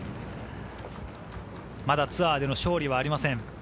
まだツアーでの勝利がありません。